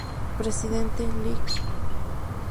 Presidente: Lic.